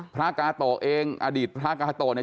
พระกาโตะเองอดีตพระกาโตเนี่ย